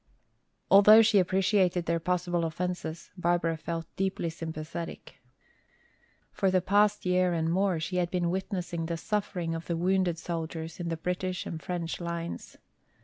Although she appreciated their possible offences, Barbara felt deeply sympathetic. For the past year and more she had been witnessing the suffering of the wounded soldiers in the British and French lines.